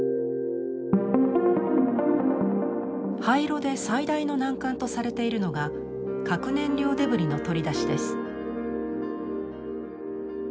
廃炉で最大の難関とされているのが核燃料デブリの取り出しです。